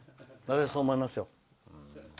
そう思いますよ。